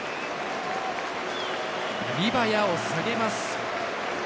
リバヤを下げます。